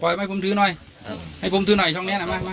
ปล่อยให้ผมทื้อหน่อยให้ผมทื้อหน่อยช่องเนี้ยนะมามา